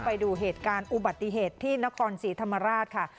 ไปดูเหตุการณ์อุบัติเหตุที่นครศรีธรรมราชค่ะ